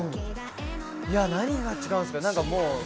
何が違うんですかね？